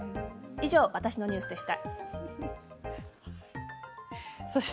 以上「わたしのニュース」でした。